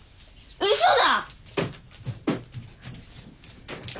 うそだ！